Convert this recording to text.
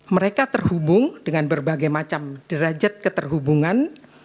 mereka terhubung dengan berbagai macam derajat keterhubungan